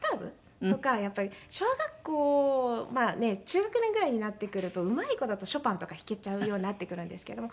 小学校中学年ぐらいになってくるとうまい子だとショパンとか弾けちゃうようになってくるんですけれども。